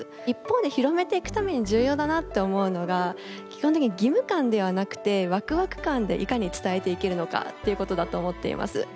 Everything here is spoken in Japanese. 一方で広めていくために重要だなって思うのが基本的に義務感ではなくてワクワク感でいかに伝えていけるのかっていうことだと思っています。